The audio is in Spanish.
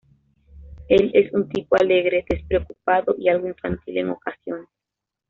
Él es un tipo alegre, despreocupado y algo infantil en ocasiones.